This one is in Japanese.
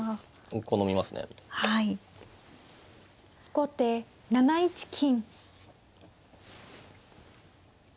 後手７一金。